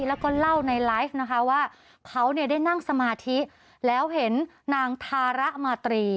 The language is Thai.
แล้วก็เล่าในไลฟ์นะคะว่าเขาเนี่ยได้นั่งสมาธิแล้วเห็นนางธาระมาตรี